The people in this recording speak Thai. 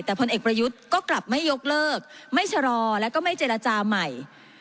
แต่พลเอกประยุทธ์ก็กลับไม่ยกเลิกไม่ชะลอแล้วก็ไม่เจรจาใหม่